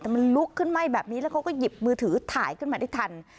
แต่มันลุกขึ้นไหม้แบบนี้แล้วเขาก็หยิบมือถือถ่ายขึ้นมาได้ทัน